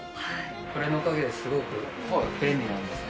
これのおかげですごく便利なんですね。